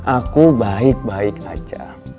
aku baik baik aja